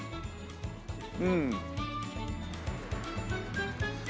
うん。